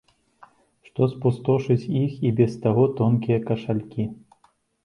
Што спустошыць іх і без таго тонкія кашалькі.